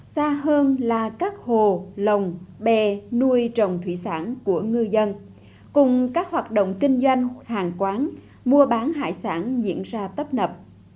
xa hơn là các hồ lồng bè nuôi trồng thủy sản của ngư dân cùng các hoạt động kinh doanh hàng quán mua bán hải sản diễn ra tấp nập